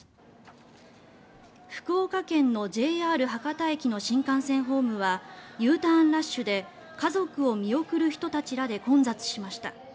福岡県のＪＲ博多駅の新幹線ホームはＵターンラッシュで家族を見送る人たちらで混雑しました。